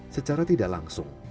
secara tidak langsung